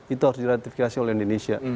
itu harus diratifikasi oleh indonesia